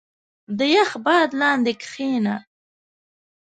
• د یخ باد لاندې کښېنه.